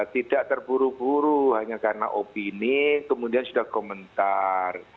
tidak terburu buru hanya karena opini kemudian sudah komentar